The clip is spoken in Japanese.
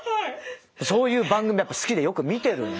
そういう番組やっぱ好きでよく見てるんで。